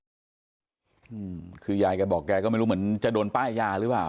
อืมคือยายแกบอกแกก็ไม่รู้เหมือนจะโดนป้ายยาหรือเปล่า